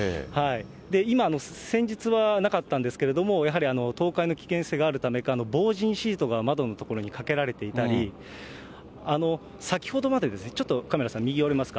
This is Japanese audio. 今、先日はなかったんですけれども、やはり倒壊の危険性があるためか、防じんシートが窓の所にかけられていたり、先ほどまで、ちょっとカメラさん、右寄れますか。